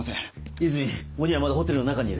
和泉鬼はまだホテルの中にいる。